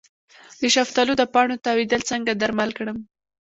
د شفتالو د پاڼو تاویدل څنګه درمل کړم؟